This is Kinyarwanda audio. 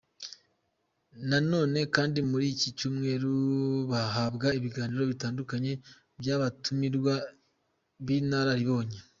Na none kandi muri iki cyumweru bahabwa ibiganiro bitandukanye by’abatumirwa b’inararibonye.